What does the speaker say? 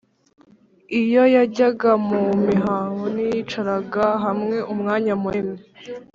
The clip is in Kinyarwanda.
iyo yajyaga mu mihango ntiyicaraga hamwe umwanya munini